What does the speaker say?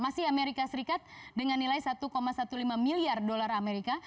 masih amerika serikat dengan nilai satu lima belas miliar dolar amerika